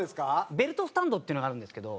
ベルトスタンドっていうのがあるんですけど。